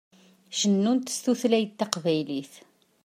Cennunt s tutlayt taqbaylit.